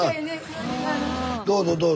どうぞどうぞ。